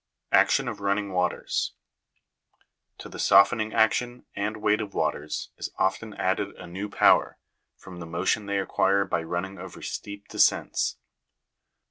11. Action of running waters. To the softening action and weight of waters is often added a new power, from the motion they acquire by running over steep descents.